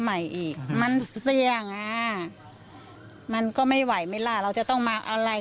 ใหม่อีกมันเสี่ยงอ่ะมันก็ไม่ไหวไหมล่ะเราจะต้องมาอะไร